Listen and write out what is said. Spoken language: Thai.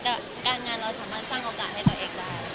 แต่การงานเราสามารถสร้างโอกาสให้ตัวเองได้